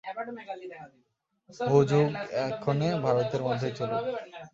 হুজুগ এক্ষণে ভারতের মধ্যেই চলুক।